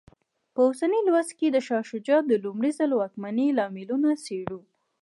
په اوسني لوست کې د شاه شجاع د لومړي ځل واکمنۍ لاملونه څېړو.